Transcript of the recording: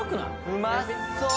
うまそう！